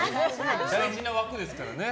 大事な枠ですからね。